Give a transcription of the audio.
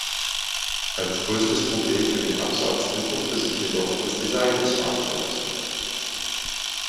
Als größtes Problem für den Absatz entpuppte sich jedoch das Design des Fahrzeuges.